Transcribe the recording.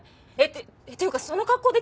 っていうかその格好で来たの？